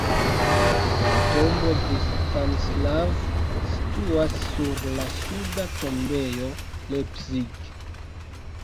La tombo de Stanislav situas sur la suda tombejo Leipzig.